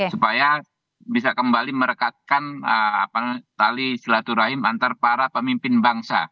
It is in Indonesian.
supaya bisa kembali merekatkan tali silaturahim antar para pemimpin bangsa